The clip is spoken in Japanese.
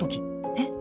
えっ！